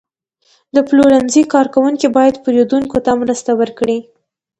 د پلورنځي کارکوونکي باید پیرودونکو ته مرسته وکړي.